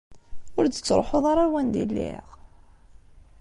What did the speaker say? Ur d-tettṛuḥuḍ ara ar wanda i lliɣ?